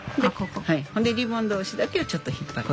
ほんでリボン同士だけをちょっと引っ張る。